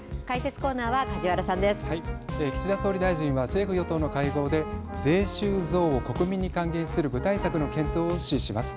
岸田総理大臣は政府・与党の会合で税収増を国民に還元する具体策の検討を指示します。